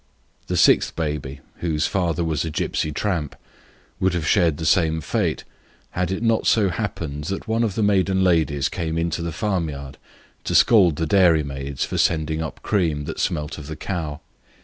The sixth baby, whose father was a gipsy tramp, would have shared the same fate, had it not so happened that one of the maiden ladies came into the farmyard to scold the dairymaids for sending up cream that smelt of the cow.